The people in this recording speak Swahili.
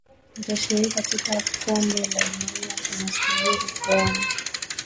itashiriki katika kombe la dunia tunasubiri kuona